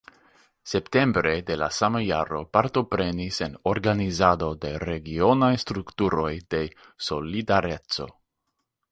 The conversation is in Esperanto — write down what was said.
Septembre de la sama jaro partoprenis en organizado de regionaj strukturoj de "Solidareco".